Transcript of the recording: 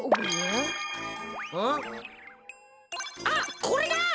あっこれだ！